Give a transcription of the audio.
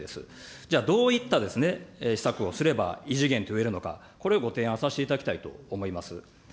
じゃあどういった施策をすれば、異次元と言えるのか、これをご提案させていただきたいと思います。